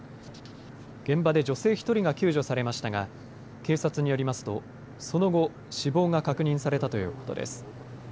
現場で女性１人が救助されましたが警察によりますと、その後死亡が確認されたということです。